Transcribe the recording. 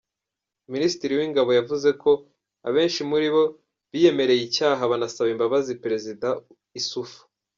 Minisitiri w’Ingabo yavuze ko abenshi muri bo biyemereye icyaha banasaba imbabazi perezida Issoufou.